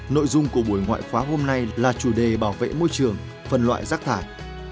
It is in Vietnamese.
nội dung của buổi ngoại khóa hôm nay là chủ đề bảo vệ môi trường phân loại rác thải